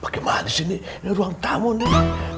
bagaimana disini ini ruang tamu nih